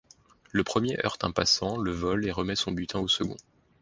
Le premier heurte un passant, le vole, et remet son butin au second.